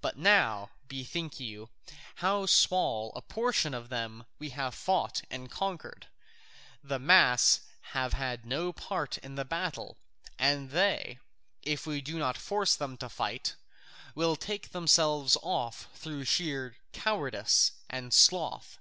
But now, bethink you, how small a portion of them we have fought and conquered; the mass have had no part in the battle, and they, if we do not force them to fight, will take themselves off through sheer cowardice and sloth.